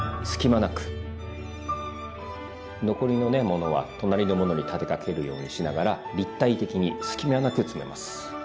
残りのねものは隣のものに立てかけるようにしながら立体的に隙間なく詰めます。